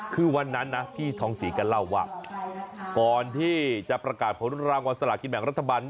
คือวันนั้นนะพี่ทองศรีก็เล่าว่าก่อนที่จะประกาศผลรางวัลสลากินแบ่งรัฐบาล